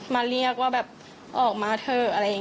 มาเรียกว่าออกมาเถอะ